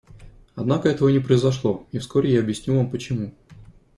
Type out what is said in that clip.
Однако этого не произошло, и вскоре я объясню вам почему.